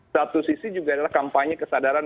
satu sisi juga adalah kampanye kesadaran